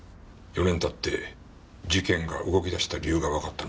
４年経って事件が動き出した理由がわかったな。